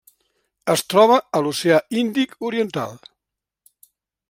Es troba a l'Oceà Índic oriental: